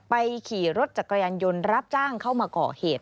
ขี่รถจักรยานยนต์รับจ้างเข้ามาก่อเหตุ